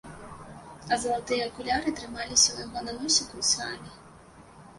А залатыя акуляры трымаліся ў яго на носіку самі.